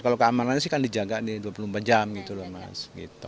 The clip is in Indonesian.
kalau keamanannya sih kan dijaga nih dua puluh empat jam gitu loh mas